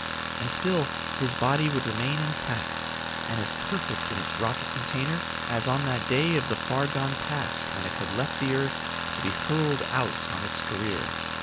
And still his body would remain intact and as perfect in its rocket container as on that day of the far gone past when it had left the earth to be hurled out on its career.